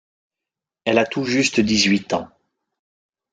Elle a tout juste dix-huit ans.